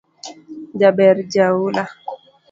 Jabber jaula